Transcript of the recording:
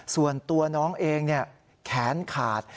ส่วนตัวน้องเองแขนขาด